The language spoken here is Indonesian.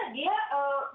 ada pasal pasal karet